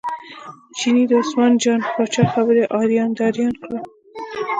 چیني د عثمان جان پاچا خبرې اریان دریان کړ.